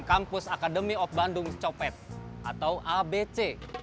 kampus akademi of bandung copet atau abc